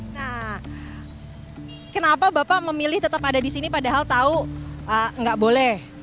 nah kenapa bapak memilih tetap ada di sini padahal tahu gak boleh